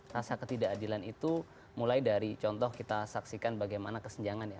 rasa ketidakadilan itu mulai dari contoh kita saksikan bagaimana kesenjangan ya